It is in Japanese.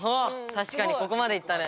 たしかにここまで行ったね。